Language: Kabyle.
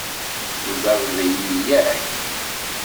Tugadeḍ-iyi, yak?